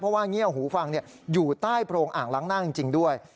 เพราะว่างี่หูฟังอยู่ใต้โปรงอ่างนั่งจริงด้วย